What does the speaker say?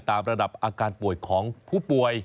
ตามระดับอาการป่วยของผู้ป่วย